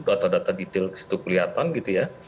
data data detail itu kelihatan gitu ya